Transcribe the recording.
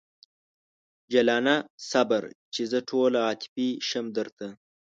جلانه صبر! چې زه ټوله عاطفي شم درته